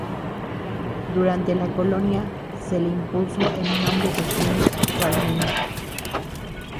Durante la Colonia se le impuso el nombre que tiene actualmente.